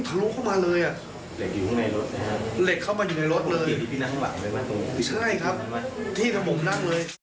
พี่นั่งข้างหลังเลยว่าตรงใช่ครับพี่ครับผมนั่งเลย